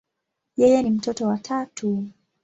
Yeye ni mtoto wa tatu.